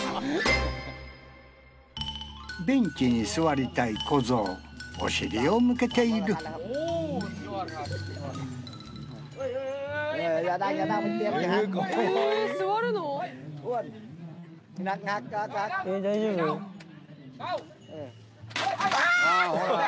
ベンチに座りたい子ゾウお尻を向けているアアー！